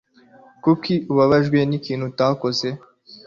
Kuki ubabajwe n'ikintu utakoze